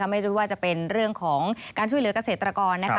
ไม่รู้ว่าจะเป็นเรื่องของการช่วยเหลือกเกษตรกรนะคะ